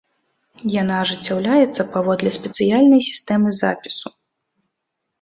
Яна ажыццяўляецца паводле спецыяльнай сістэмы запісу.